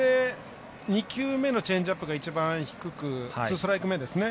２球目のチェンジアップが一番低くツーストライク目ですね。